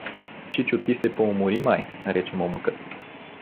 — Чичо, ти се поумори май — рече момъкът.